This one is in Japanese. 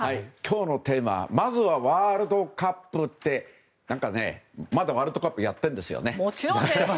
まずはワールドカップってまだワールドカップやってるんですよね。